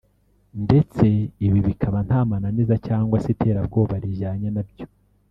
ndetse ibi bikaba nta mananiza cyangwa se iterabwoba rijyanye nabyo